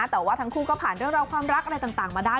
แต่ว่าทั้งคู่ก็ผ่านเรื่องราวความรักอะไรต่างมาได้